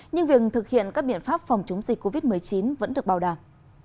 nhưng việc thực hiện các biện pháp phòng chống dịch covid một mươi chín vẫn được bảo đảm